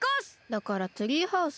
だからツリーハウスは？